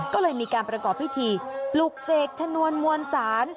ก็เลยมีการประกอบพิธีปลุกเสกชนวนมวลศาล